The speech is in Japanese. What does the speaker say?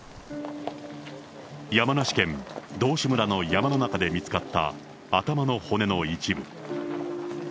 山梨県道志村の山の中で見つかった頭の骨の一部。